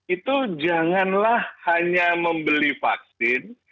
itu janganlah hanya membeli vaksin